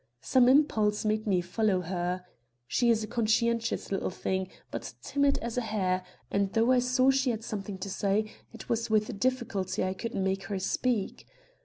Some impulse made me follow her. She is a conscientious little thing, but timid as a hare, and though I saw she had something to say, it was with difficulty I could make her speak.